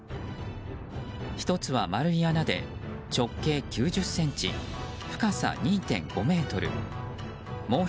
１つは丸い穴で直径９０ｃｍ深さ２．５ｍ。